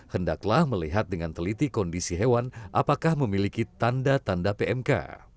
hendaklah melihat dengan teliti kondisi hewan apakah memiliki tanda tanda pmk